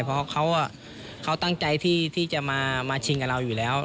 เพราะเขาตั้งใจที่จะมาชิงกับเราอยู่แล้ว